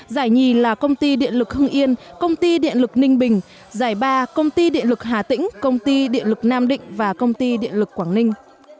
giải nhì là công ty điện lực hưng yên công ty điện lực ninh bình giải ba công ty điện lực hà tĩnh công ty điện lực nam định và công ty điện lực quảng ninh